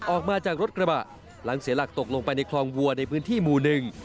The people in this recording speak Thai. ออกมาจากรถกระบะหลังเสียหลักตกลงไปในคลองวัวในพื้นที่หมู่หนึ่ง